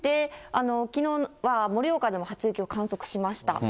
きのうは盛岡でも初雪を観測しました。